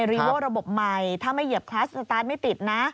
รีโว้ระบบใหม่ถ้าไม่เหยียบคลัสสตาร์ทไม่ติดนะ